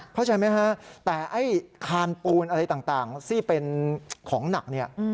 เข้าใจไหมฮะแต่ไอ้คานปูนอะไรต่างที่เป็นของหนักเนี่ย